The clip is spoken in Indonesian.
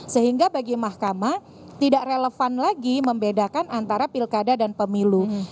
sehingga bagi mahkamah tidak relevan lagi membedakan antara pilkada dan pemilu